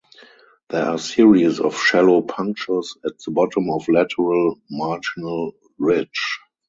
There are series of shallow punctures at the bottom of lateral marginal ridge.